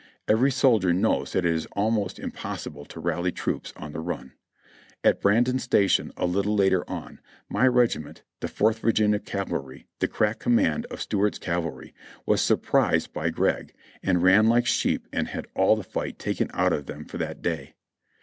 Every soldier knows that it is almost impossible to rally troops on the run. At Brandy Station, a little later on, my regiment, the Fourth Virginia Cavalry, the crack command of Stuart's cavalry, were surprised by Gregg, and ran like sheep, and had all the fight taken out of them for that day.